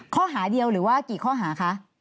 ข้อหาเดียวหรือว่ากี่ข้อหาคะ